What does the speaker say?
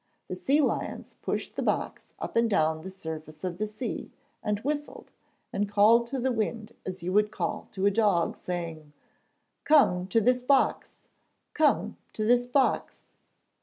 The sea lions pushed the box up and down the surface of the sea, and whistled, and called to the wind as you would call to a dog, saying: 'Come to this box! Come to this box!'